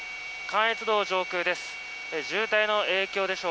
関越道上空です。